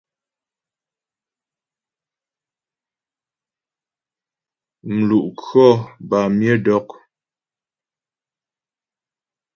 Mlu' khɔ bâ myə dɔk.